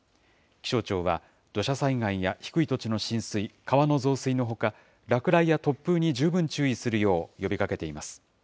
気象庁は、土砂災害や低い土地の浸水、川の増水のほか、落雷や突風に十分注意するよう呼びかけています。